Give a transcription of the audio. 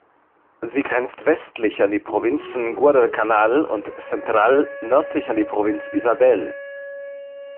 Sie grenzt westlich an die Provinzen Guadalcanal und Central, nördlich an die Provinz Isabel.